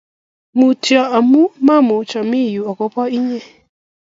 Mutyo amuu mamuch amii yu akoba inyee